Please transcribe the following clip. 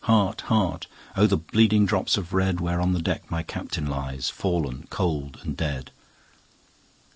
heart! 5 O the bleeding drops of red! Where on the deck my Captain lies, Fallen cold and dead.